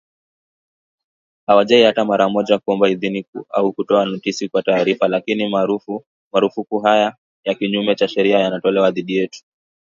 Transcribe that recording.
Hawajawahi hata mara moja kuomba idhini au kutoa notisi kwa taarifa, lakini marufuku haya ya kinyume cha sharia yanatolewa dhidi yetu